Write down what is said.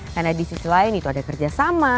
karena di sisi lain itu ada kerjasama